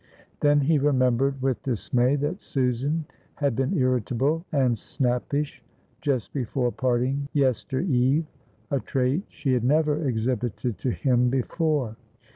Then he remembered with dismay that Susan had been irritable and snappish just before parting yester eve a trait she had never exhibited to him before.